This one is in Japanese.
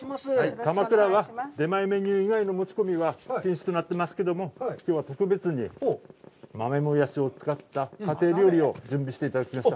かまくらは出前メニュー以外の持ち込みは禁止となっていますが、きょうは特別に豆もやしを使った家庭料理を準備していただきました。